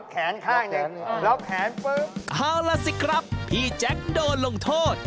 คราวล่ะสิครับพี่แจ๊กโดนลงโทษ